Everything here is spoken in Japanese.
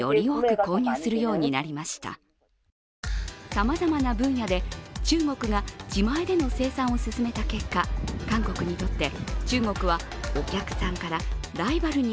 さまざまな分野で中国が自前での生産を進めた結果、韓国にとって中国はお客さんからライバルに